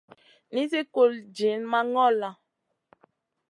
Nizi kul diyna ma ŋola.